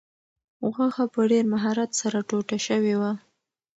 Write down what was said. غوښه په ډېر مهارت سره ټوټه شوې وه.